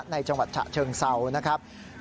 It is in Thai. จังหวัดฉะเชิงเซานะครับ